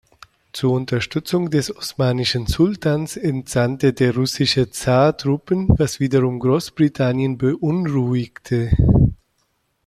Zur Unterstützung des osmanischen Sultans entsandte der russische Zar Truppen, was wiederum Großbritannien beunruhigte.